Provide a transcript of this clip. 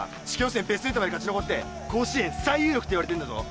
ベスト８まで勝ち残って甲子園最有力って言われてんだぞ。